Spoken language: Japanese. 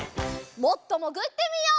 もっともぐってみよう。